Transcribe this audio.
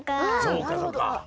そうかそうか。